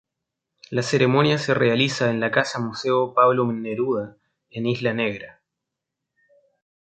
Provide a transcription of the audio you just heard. La ceremonia se realiza en la Casa Museo Pablo Neruda en Isla Negra.